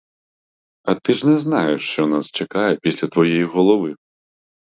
А ти ж не знаєш, що нас чекає після твоєї голови?